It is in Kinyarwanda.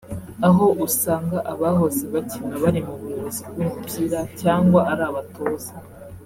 aho usanga abahoze bakina bari mu buyobozi bw’umupira cyangwa ari abatoza